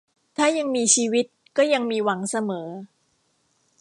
ถ้ายังมีชีวิตก็ยังมีหวังเสมอ